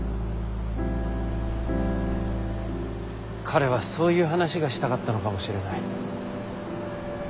彼はそういう話がしたかったのかもしれない。